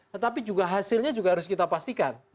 tetapi juga hasilnya juga harus kita pastikan